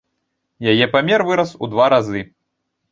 Яе памер вырас у два разы.